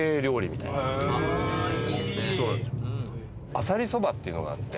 あさりそばっていうのがあって。